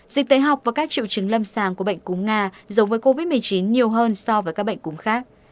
dịch tế học và các triệu chứng lâm sàng của bệnh cúng nga giống với covid một mươi chín nhiều hơn so với các bệnh cúm khác